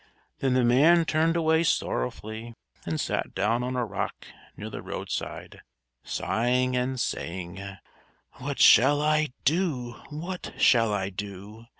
] Then the man turned away sorrowfully and sat down on a rock near the roadside, sighing and saying: "_What shall I do? What shall I do?